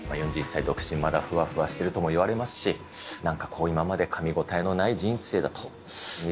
４１歳独身、まだふわふわしてるとも言われますし、なんかこう、今までかみ応えのない人生だと。